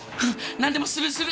何でもするする！